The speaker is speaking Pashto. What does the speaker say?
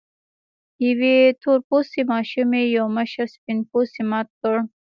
يوې تور پوستې ماشومې يو مشر سپين پوستي مات کړ.